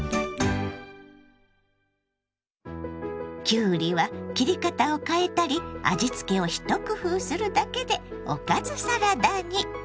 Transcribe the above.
きゅうりは切り方を変えたり味付けを一工夫するだけでおかずサラダに！